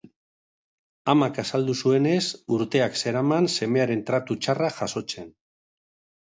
Amak azaldu zuenez, urteak zeraman semearen tratu txarrak jasotzen.